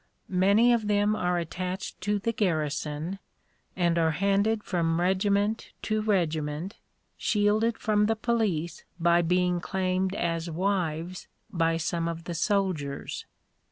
Many of them are attached to the garrison, and are handed from regiment to regiment, shielded from the police by being claimed as wives by some of the soldiers.